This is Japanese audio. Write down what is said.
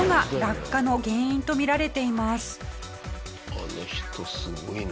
あの人すごいな。